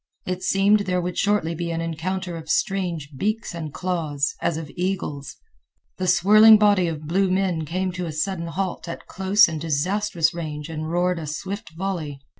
It seemed there would shortly be an encounter of strange beaks and claws, as of eagles. The swirling body of blue men came to a sudden halt at close and disastrous range and roared a swift volley.